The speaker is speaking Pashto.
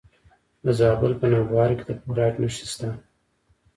د زابل په نوبهار کې د فلورایټ نښې شته.